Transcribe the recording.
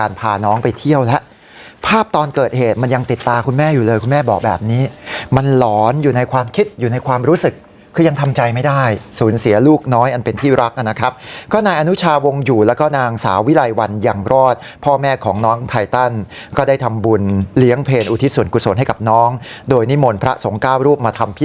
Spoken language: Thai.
พาน้องไปเที่ยวแล้วภาพตอนเกิดเหตุมันยังติดตาคุณแม่อยู่เลยคุณแม่บอกแบบนี้มันหลอนอยู่ในความคิดอยู่ในความรู้สึกคือยังทำใจไม่ได้สูญเสียลูกน้อยอันเป็นที่รักนะครับก็นายอนุชาวงอยู่แล้วก็นางสาววิไลวันยังรอดพ่อแม่ของน้องไทตันก็ได้ทำบุญเลี้ยงเพลอุทิศส่วนกุศลให้กับน้องโดยนิมนต์พระสงฆ์เก้ารูปมาทำพิ